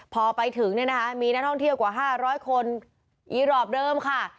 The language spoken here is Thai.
พอไปถึงมีนัดห้องเที่ยวกว่า๕๐๐คนอีรอปเดิมค่ะ